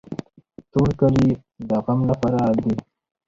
تور کالي د غم لپاره دي.